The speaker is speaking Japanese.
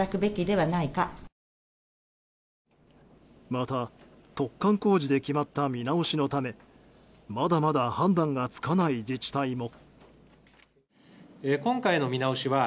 また、突貫工事で決まった見直しのためまだまだ判断がつかない自治体も。